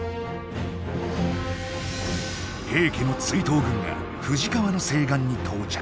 平家の追討軍が富士川の西岸に到着。